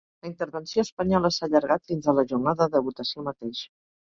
La intervenció espanyola s’ha allargat fins a la jornada de votació mateix.